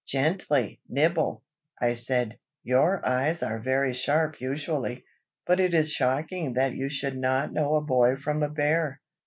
"Gently, Nibble!" I said, "your eyes are very sharp usually, but it is shocking that you should not know a boy from a bear.